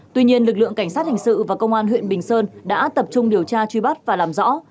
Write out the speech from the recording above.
tuy nhiên lực lượng cảnh sát hình sự và công an huyện bình sơn đã tập trung điều tra truy bắt và làm rõ